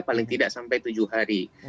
paling tidak sampai tujuh hari